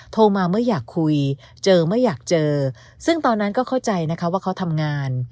โทรมาเมื่ออยากคุยเจอไม่อยากเจอซึ่งตอนนั้นก็เข้าใจนะคะว่าเขาทำงาน